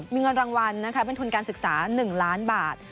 มีเงินรางวัลเป็นทุนการศึกษา๑ล้านบาท